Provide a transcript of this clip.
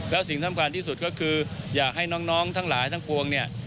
แล้วสิ่งสำคัญที่สุดก็คืออยากให้น้องทั้งหลายทั้งปวงเนี่ย